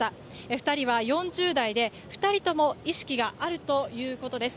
２人は４０代で２人とも意識があるということです。